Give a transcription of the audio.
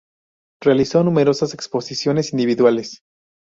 Realizó numerosas exposiciones individuales.